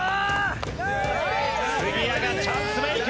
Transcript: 杉谷がチャンスメイク！